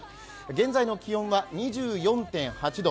現在の気温は２４．８度